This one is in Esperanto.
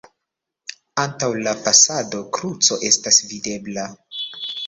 Antaŭ la fasado kruco estas videbla.